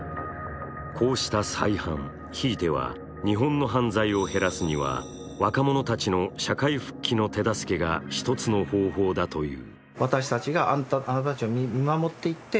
こうした再犯、ひいては日本の犯罪を減らすには若者たちの社会復帰の手助けが一つの方法だという。